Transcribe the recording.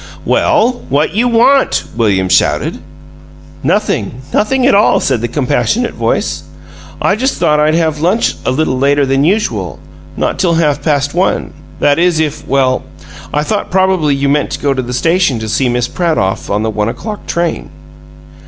"Well, what you WANT?" William shouted. "Nothing nothing at all," said the compassionate voice. "I just thought I'd have lunch a little later than usual; not till half past one. That is if well, I thought probably you meant to go to the station to see Miss Pratt off on the one o'clock train."